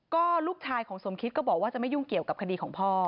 ก็ลูกชายของสมคิตก็บอกว่าจะไม่ยุ่งเกี่ยวกับคดีของพ่อ